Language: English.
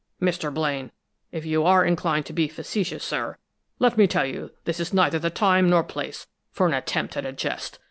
"Mr. Blaine, if you are inclined to be facetious, sir, let me tell you this is neither the time nor place for an attempt at a jest!